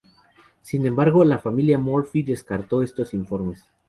Sin embargo, la familia Murphy descartó estos informes.